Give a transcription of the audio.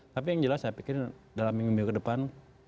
tapi yang jelas saya pikir dalam minggu minggu ke depan